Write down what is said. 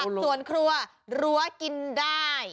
ผักสวนครัวหลัวกินได้